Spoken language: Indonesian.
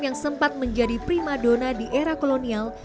yang sempat menjadi prima dona di era kolonial